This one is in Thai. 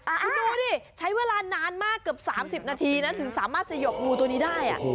คุณดูดิใช้เวลานานมากเกือบ๓๐นาทีนะถึงสามารถสยบงูตัวนี้ได้